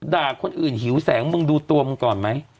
ด่าคนอื่นหิวแสงมึงดูตัวมึงก่อนไหม